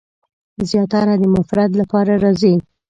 زیاتره د مفرد لپاره راځي.